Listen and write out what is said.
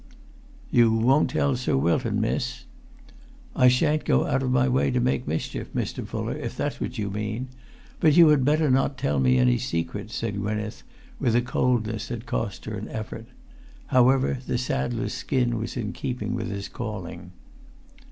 "You won't tell Sir Wilton, miss?" "I shan't go out of my way to make mischief, Mr. Fuller, if that's what you mean. But you had better not tell me any secrets," said Gwynneth, with a coldness that cost her an effort; however, the saddler's skin was in keeping with his calling.